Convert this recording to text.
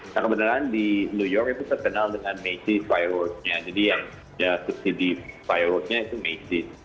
nah kebenaran di new york itu terkenal dengan macy's fireworksnya jadi yang disubsidi fireworksnya itu macy's